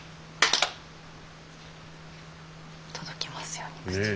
届きますように無事に。